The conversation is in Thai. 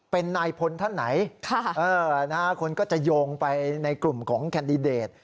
เป็นนายพลท่านไหนคนก็จะโยงไปในกลุ่มของแคนดิเดต